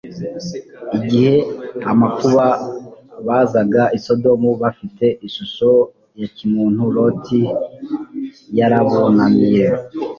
Igihe abamakuka bazaga i Sodomu bafite ishusho ya kimuntu Loti yarabunamiye,